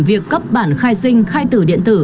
việc cấp bản khai sinh khai tử điện tử